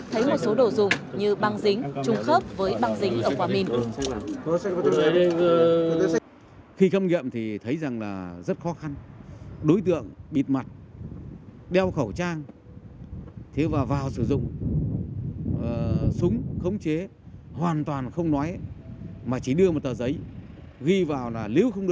thấy một số đồ dùng như băng dính trung khớp với băng dính ở quả mìn